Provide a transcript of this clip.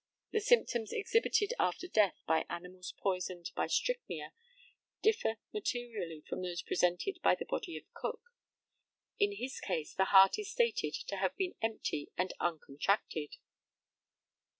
The symptoms exhibited after death by animals poisoned by strychnia differ materially from those presented by the body of Cook. In his case the heart is stated to have been empty and uncontracted.